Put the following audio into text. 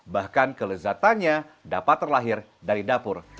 bahkan kelezatannya dapat terlahir dari dapur